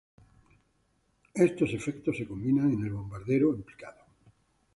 Estos efectos se combinan en el bombardero en picado.